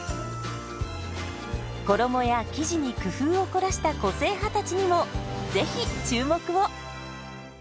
衣や生地に工夫を凝らした個性派たちにもぜひ注目を！